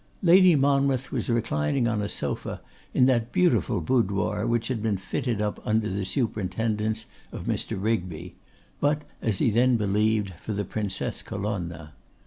Lady Monmouth was reclining on a sofa in that beautiful boudoir which had been fitted up under the superintendence of Mr. Rigby, but as he then believed for the Princess Colonna.